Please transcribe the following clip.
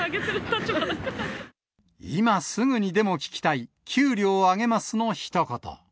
今すぐにでも聞きたい、給料上げますのひと言。